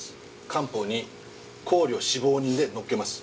官報に「行旅死亡人」で載っけます。